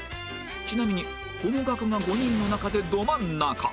ちなみにこの額が５人の中でど真ん中